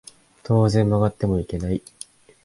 当然曲がってもいけない